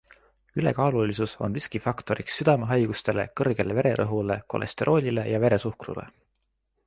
Ülekaalulisus on riskifaktoriks südamehaigustele, kõrgele vererõhule, kolesteroolile ja veresuhkrule.